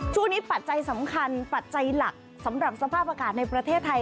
ปัจจัยสำคัญปัจจัยหลักสำหรับสภาพอากาศในประเทศไทย